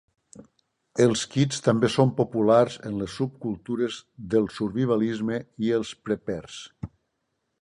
Els kits també són populars en les subcultures del survivalisme i els preppers.